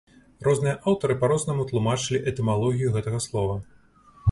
Розныя аўтары па рознаму тлумачылі этымалогію гэтага слова.